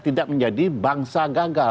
tidak menjadi bangsa gagal